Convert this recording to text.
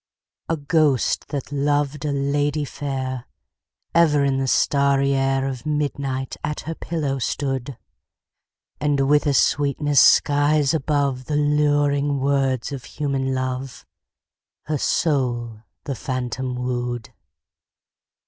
A ghost, that loved a lady fair, Ever in the starry air Of midnight at her pillow stood; And, with a sweetness skies above The luring words of human love, Her soul the phantom wooed.